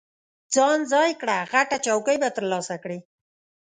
ځان ځای کړه، غټه چوکۍ به ترلاسه کړې.